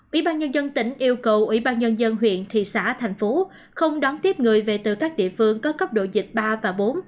ủy ban nhân dân tỉnh yêu cầu ủy ban nhân dân huyện thị xã thành phố không đón tiếp người về từ các địa phương có cấp độ dịch ba và bốn